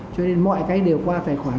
cho nên mọi cách đều qua tài khoản